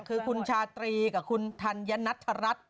คือคุณชาตรีกับคุณธัญนัทรัฐ